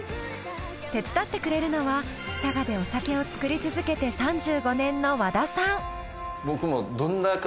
手伝ってくれるのは佐賀でお酒を作り続けて３５年の和田さん。